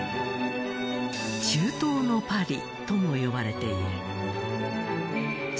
中東のパリとも呼ばれている。